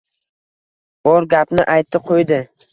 Bor gapni aytdi-qoʻydi.